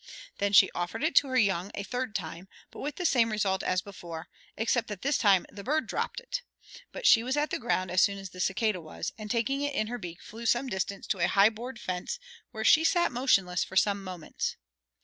Then she offered it to her young a third time, but with the same result as before, except that this time the bird dropped it; but she was at the ground as soon as the cicada was, and taking it in her beak flew some distance to a high board fence where she sat motionless for some moments.